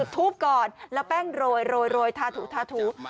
ทูบก่อนแล้วแป้งโรยทาถูทาถู